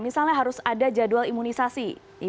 misalnya harus ada jadwal imunisasi